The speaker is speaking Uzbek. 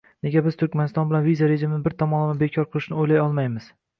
Nega biz Turkmaniston bilan viza rejimini bir tomonlama bekor qilishni o'ylay olmaymiz?